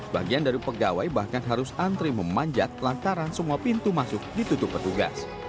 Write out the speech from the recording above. bagian dari pegawai bahkan harus antri memanjat lantaran semua pintu masuk ditutup petugas